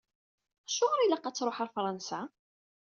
Acuɣer i ilaq ad tṛuḥ ɣer Fṛansa?